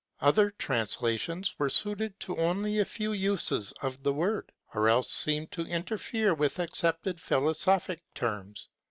Other translations were suited to В«only a few uses of the word, or else seemed to interfere with .accepted philosophic terms.